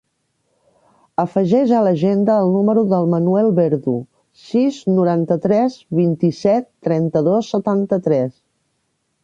Afegeix a l'agenda el número del Manuel Verdu: sis, noranta-tres, vint-i-set, trenta-dos, setanta-tres.